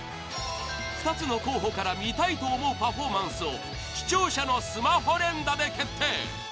２つの候補から見たいと思うパフォーマンスを視聴者のスマホ連打で決定！